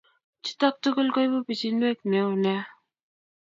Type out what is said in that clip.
Chutok tugul koibu pichinwek neo nea